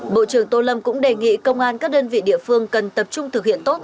bộ trưởng tô lâm cũng đề nghị công an các đơn vị địa phương cần tập trung thực hiện tốt